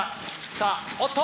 さあおっと！